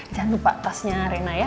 jangan lupa tasnya rena ya